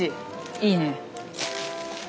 いいね。